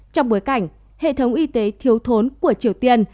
trong bối cảnh hệ thống y tế thiếu thốn của triều tiên